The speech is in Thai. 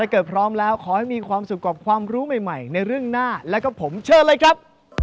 เกิดพร้อมแล้วขอให้มีความสุขกับความรู้ใหม่ในเรื่องหน้าแล้วก็ผมเชิญเลยครับ